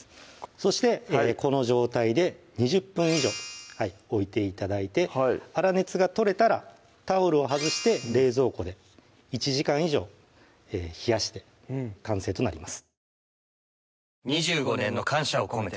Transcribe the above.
そしてこの状態で２０分以上置いて頂いて粗熱が取れたらタオルをはずして冷蔵庫で１時間以上冷やして完成となります